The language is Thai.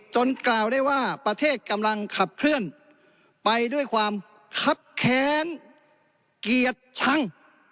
กล่าวได้ว่าประเทศกำลังขับเคลื่อนไปด้วยความคับแค้นเกียรติชัง